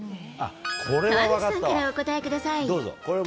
川口さんからお答えください。